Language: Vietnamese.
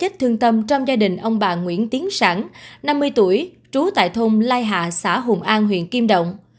thương tâm trong gia đình ông bà nguyễn tiến sản năm mươi tuổi trú tại thôn lai hạ xã hùng an huyện kim động